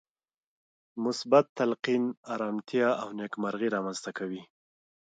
مثبت تلقين ارامتيا او نېکمرغي رامنځته کوي.